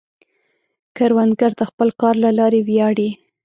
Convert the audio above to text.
کروندګر د خپل کار له لارې ویاړي